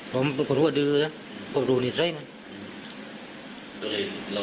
พวกมันรึงข้าวเลิศวันเดือนก็ครบพุ่งเป็นรุ่นเร็งมันเลย